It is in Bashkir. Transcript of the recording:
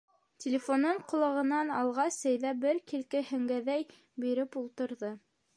Телефонын ҡолағынан алғас, Сәйҙә бер килке һеңгәҙәй биреп ултырҙы.